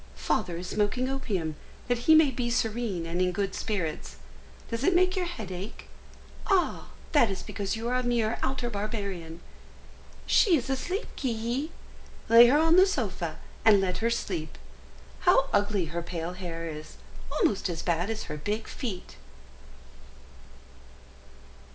Father is smoking opium, that he may be serene and in good spirits! Does it make your head ache? Ah! that is because you are a mere outer barbarian. She is asleep, Ki hi; lay her on the sofa, and let her sleep. How ugly her pale hair is, almost as bad as her big feet!"